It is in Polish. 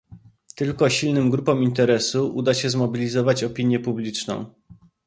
Tylko silnym grupom interesu uda się zmobilizować opinię publiczną